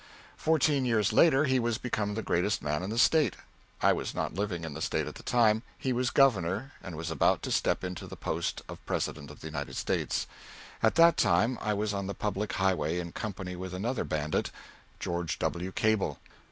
Fourteen years later, he was become the greatest man in the State. I was not living in the State at the time. He was Governor, and was about to step into the post of President of the United States. At that time I was on the public highway in company with another bandit, George W. Cable.